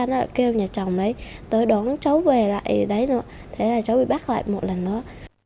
nó kêu nhà chồng đấy tới đón cháu về lại đấy rồi thế là cháu bị bác lại một lần nữa